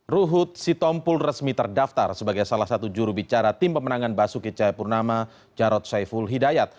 ruhut sitompul resmi terdaftar sebagai salah satu jurubicara tim pemenangan basuki cahayapurnama jarod saiful hidayat